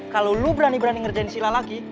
kalau lo berani berani ngerjain sila lagi